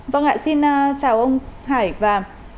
vâng ạ xin chào ông hải và